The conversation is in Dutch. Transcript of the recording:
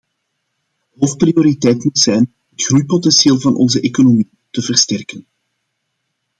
Hoofdprioriteit moet zijn het groeipotentieel van onze economie te versterken.